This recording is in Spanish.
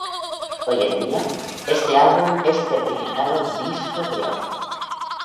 Hoy en día, este álbum es certificado Disco de Oro.